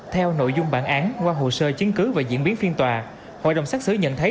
theo nội dung bản án qua hồ sơ chứng cứ và diễn biến phiên tòa hội đồng xác xử nhận thấy